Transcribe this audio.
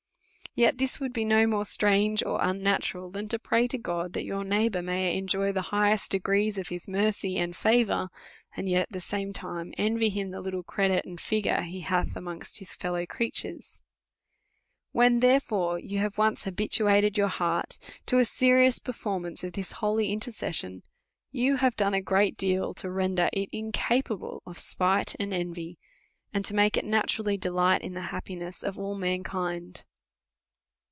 Yet this would be no more strange, or unnatural, than to pray to God that your neighbour may enjoy the. high est degrees of his mercy and favour, and yet at the same time envy hioi the little credit and figure he hath amongst his fellow creatures. When, therefore, you have once habituated your heart to a serious performance of this holy intercession, you have done a great deal to render it incapable of spite and envy, and to make it naturally delight in the happiness of all mankind.